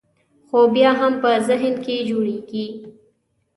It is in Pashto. خو بیا هم په ذهن کې جوړېږي.